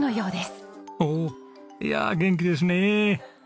おお。いや元気ですねえ！